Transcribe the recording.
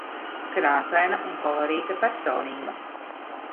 Krāsaina un kolorīta personība.